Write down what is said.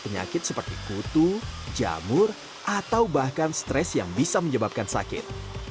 penyakit seperti kutu jamur atau bahkan stres yang bisa menyebabkan sakit